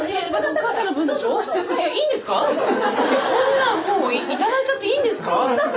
こんなもう頂いちゃっていいんですか？